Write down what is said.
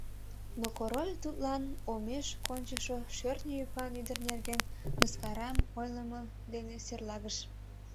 Но Король тудлан омеш кончышо «Шӧртньӧ ӱпан ӱдыр» нерген мыскарам ойлымо дене серлагыш.